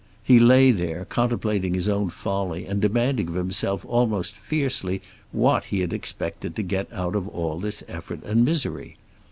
He lay there, contemplating his own folly, and demanding of himself almost fiercely what he had expected to get out of all this effort and misery.